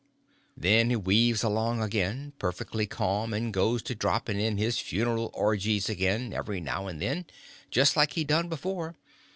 Then he weaves along again, perfectly ca'm, and goes to dropping in his funeral orgies again every now and then, just like he done before.